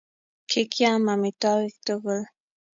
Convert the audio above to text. kikiam amitwogik tugul